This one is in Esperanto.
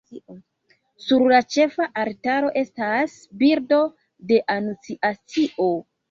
Sur la ĉefa altaro estas bildo de Anunciacio.